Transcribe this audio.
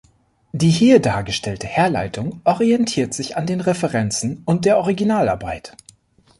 Die hier dargestellte Herleitung orientiert sich an den Referenzen und der Originalarbeit.